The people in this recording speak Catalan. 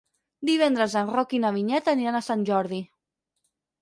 Divendres en Roc i na Vinyet aniran a Sant Jordi.